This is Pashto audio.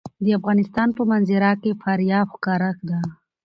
د افغانستان په منظره کې فاریاب ښکاره ده.